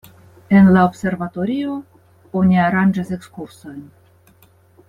En la observatorio oni aranĝas ekskursojn.